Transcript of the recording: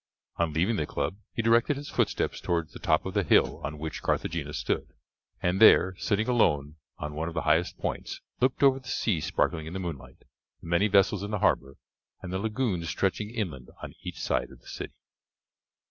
On leaving the club he directed his footsteps towards the top of the hill on which Carthagena stood, and there, sitting alone on one of the highest points, looked over the sea sparkling in the moonlight, the many vessels in the harbour and the lagoons stretching inland on each side of the city.